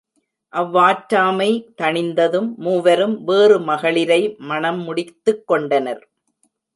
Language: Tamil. அவ்வாற்றாமை தணிந்ததும் மூவரும் வேறு மகளிரை மணமுடித்துக் கொண்டனர்.